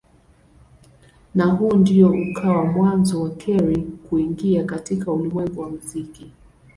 Na huu ndio ukawa mwanzo wa Carey kuingia katika ulimwengu wa muziki.